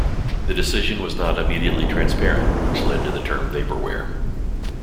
The decision was not immediately transparent, which led to the term vaporware.